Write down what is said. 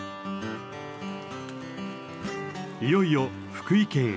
いよいよ福井県へ。